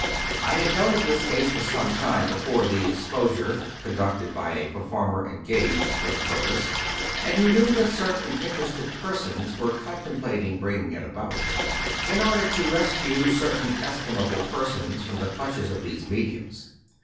I had known of this case for some time before the exposure (conducted by a performer engaged for the pur pose), and knew that certain interested persons were con templating bringing it about, in order to rescue certain es timable persons from the clutches of these mediums.